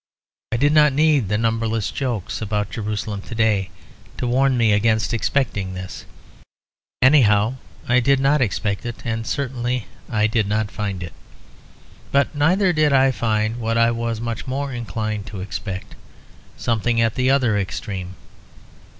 I did not need the numberless jokes about Jerusalem to day, to warn me against expecting this; anyhow I did not expect it, and certainly I did not find it. But neither did I find what I was much more inclined to expect; something at the other extreme.